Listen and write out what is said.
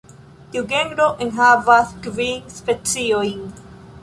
Tiu genro enhavas kvin speciojn.